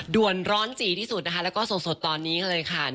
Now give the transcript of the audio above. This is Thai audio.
ด่วนร้อนจีที่สุดนะคะแล้วก็สดตอนนี้เลยค่ะ